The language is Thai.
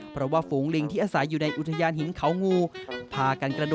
แต่ที่จังหวัดราชบุรีอันนี้ไม่ต้องบังคับเลยนะครับ